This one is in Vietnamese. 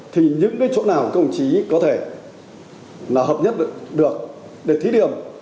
thì những cái chỗ nào công chí có thể là hợp nhất được để thí điểm